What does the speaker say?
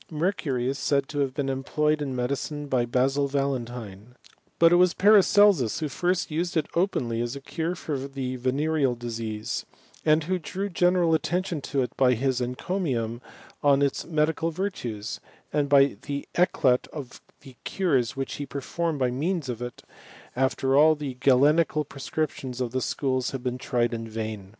Mercury is said to have been employed in medicine by Basil Valentine ; but it was Paracelsus who first used it openly aa a cure for the venereal disease, and who drew general attention to it by his encomiums on its medical virtues, and by the eclat of the cures which he performed by means of it, after ail the Galenical prescriptions of the schools had been tried in vain.